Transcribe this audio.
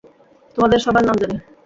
তোমাদের সবার নাম জানি।